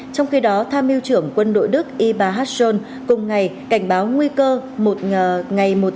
trong khi đó tham yêu trưởng quân đội đức ibrahim hashon cùng ngày cảnh báo nguy cơ một ngày một